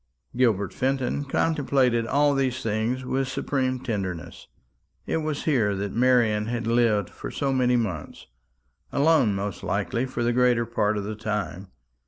Gilbert Fenton contemplated all these things with supreme tenderness. It was here that Marian had lived for so many months alone most likely for the greater part of the time.